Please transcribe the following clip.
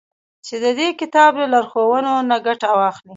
چي د دې كتاب له لارښوونو نه گټه واخلي.